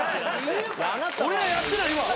俺らやってないわ。